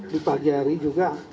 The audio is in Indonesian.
di pagiari juga